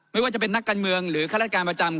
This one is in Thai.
ไม่ว่าจะเป็นนักการเมืองหรือฆาตการประจำ